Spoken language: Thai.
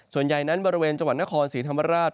ส่วนใหญ่นั้นบริเวณจังหวัดนครศรีธรรมราช